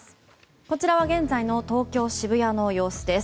こちらは現在の東京・渋谷の様子です。